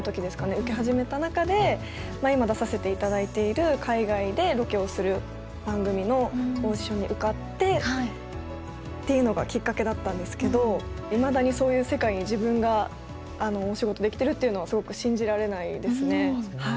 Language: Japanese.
受け始めた中で今出させていただいている海外でロケをする番組のオーディションに受かってっていうのがきっかけだったんですけどいまだにそういう世界に自分がお仕事できてるっていうのはすごく信じられないですね。